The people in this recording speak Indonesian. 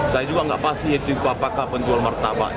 saya juga nggak pasti itu apakah penjual martabak